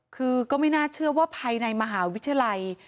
คือก็ไม่น่าเชื่อว่าภายในมหาวิทยาลัย